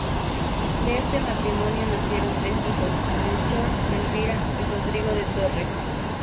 De este matrimonio nacieron tres hijos: Melchor, Elvira y Rodrigo de Torres.